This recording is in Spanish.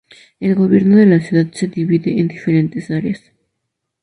El gobierno de la ciudad se divide en diferentes áreas.